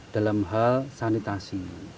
dalam hal sanitasi